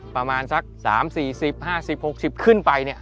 ประมาณสัก๓๔๐๕๐๖๐ขึ้นไป